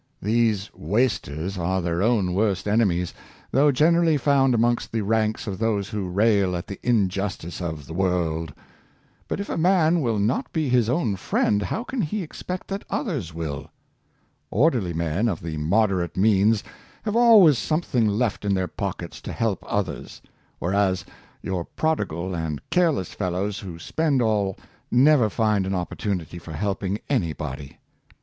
These wasters are their own worst enemies, though generally found amongst the ranks of those who rail at the injustice of " the world." But if a man will not be his own friend, how can he expect that others will? Orderly men of moderate means have always something left in their pockets to help others; whereas your prodigal and careless fellows who spend all never find an opportunity for helping any body.